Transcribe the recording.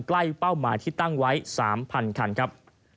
เป้าหมายที่ตั้งไว้๓๐๐คันครับ